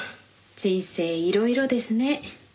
人生いろいろですね。